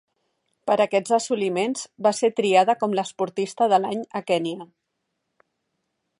Per aquests assoliments, va ser triada com l'esportista de l'any a Kenya.